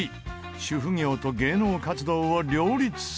主婦業と芸能活動を両立させる。